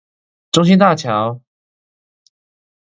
中興大橋